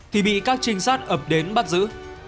thì bị các trinh sát ập đến bắt giữ